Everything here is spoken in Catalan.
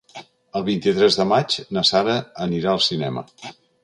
El vint-i-tres de maig na Sara anirà al cinema.